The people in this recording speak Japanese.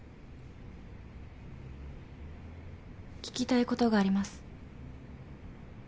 聞きたいことがあります。